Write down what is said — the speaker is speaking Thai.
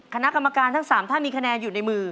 คณะกรรมการทั้ง๓ท่านมีคะแนนอยู่ในมือ